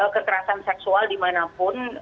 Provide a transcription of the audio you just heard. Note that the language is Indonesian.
kekerasan seksual dimanapun